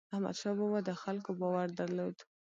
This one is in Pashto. احمدشاه بابا د خلکو باور درلود.